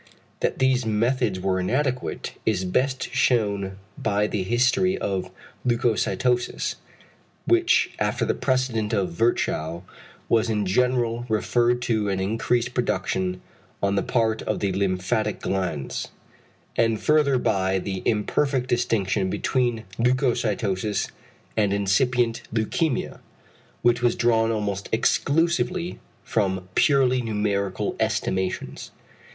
That these methods were inadequate is best shewn by the history of leucocytosis, which after the precedent of Virchow was in general referred to an increased production on the part of the lymphatic glands; and further by the imperfect distinction between leucocytosis and incipient leukæmia, which was drawn almost exclusively from purely numerical estimations.